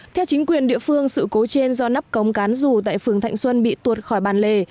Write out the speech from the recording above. theo chính quyền địa phương sự cố trên do nắp cống cán rù tại phường thạnh xuân bị tuột khỏi bàn lề